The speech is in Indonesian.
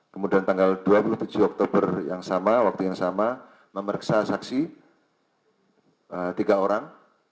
kemudian tanggal dua puluh tujuh oktober yang sama waktu yang sama memeriksa saksi tiga orang